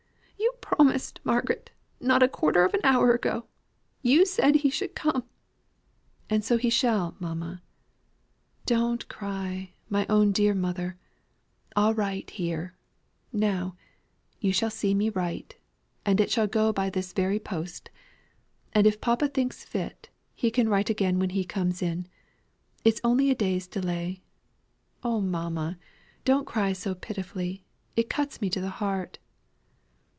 "You promised, Margaret, not a quarter of an hour ago, you said he should come." "And so he shall, mamma; don't cry, my own dear mother. I'll write here, now you shall see me write and it shall go by this very post; and if papa thinks fit he can write again when he comes in it is only a day's delay. Oh, mamma, don't cry so pitifully, it cuts me to the heart."